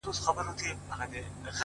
• د هیڅ شي یې کمی نه وو په بدن کي,